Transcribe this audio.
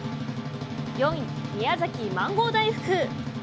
４位、宮崎マンゴー大福。